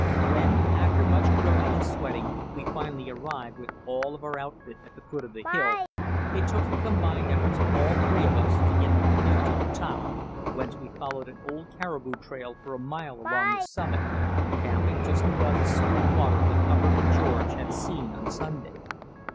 When, after much groaning and sweating, we finally arrived with all of our outfit at the foot of the hill, it took the combined efforts of all three of us to get the canoe to the top, whence we followed an old caribou trail for a mile along the summit, camping just above the smooth water that Hubbard and George had seen on Sunday.